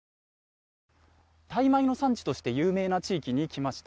タイ米の産地として有名な地域に来ました。